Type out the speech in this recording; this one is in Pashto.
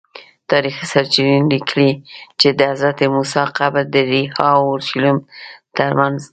تاریخي سرچینو لیکلي چې د حضرت موسی قبر د ریحا او اورشلیم ترمنځ دی.